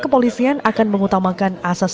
kepolisian akan mengutamakan asas